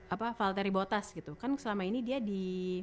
apa valtteri bottas gitu kan selama ini dia di